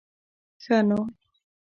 ښه نو.